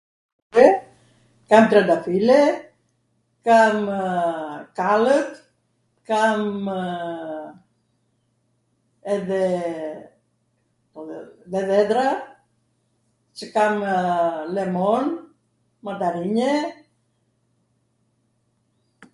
dhe, kam trandafile, kamw kallwr, kamw edhe dhendra, Cw kamw lemon, mandarinje...